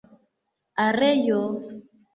areo